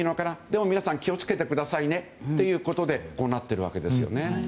でも皆さん気を付けてくださいねということでこうなっているわけですよね。